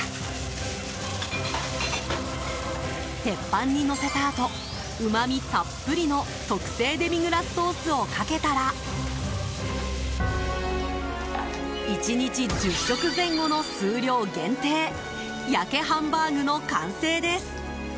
鉄板にのせたあとうまみたっぷりの特製デミグラスソースをかけたら１日１０食前後の数量限定ヤケハンバーグの完成です。